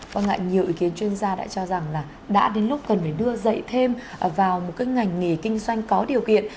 quan ngại nhiều ý kiến chuyên gia đã cho rằng là đã đến lúc cần phải đưa dạy thêm vào một cái ngành nghề kinh doanh có điều kiện